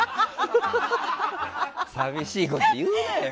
寂しいこと言うなよ。